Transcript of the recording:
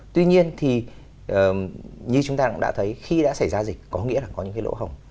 tuy nhiên thì như chúng ta cũng đã thấy khi đã xảy ra dịch có nghĩa là có những cái lỗ hồng